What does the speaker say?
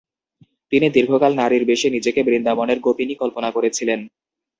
তিনি দীর্ঘকাল নারীর বেশে নিজেকে বৃন্দাবনের গোপিনী কল্পনা করেছিলেন।